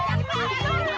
aduh di mana